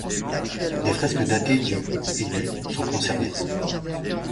Des fresques datées du - et du - sont conservées.